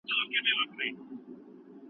لوستونکي باید د کتاب اصلي سرچینې وګوري.